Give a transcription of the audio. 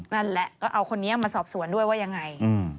นั่นแหละก็เอาคนนี้มาสอบสวนด้วยว่ายังไง